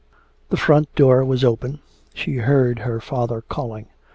The front door was open; she heard her father calling.